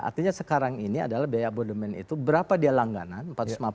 artinya sekarang ini adalah biaya abodemen itu berapa dia langganan empat ratus lima puluh